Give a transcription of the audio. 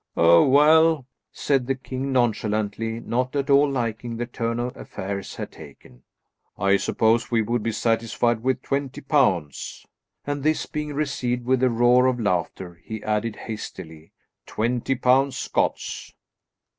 "Oh, well," said the king, nonchalantly, not at all liking the turn affairs had taken, "I suppose we would be satisfied with twenty pounds," and this being received with a roar of laughter, he added hastily, "twenty pounds Scots."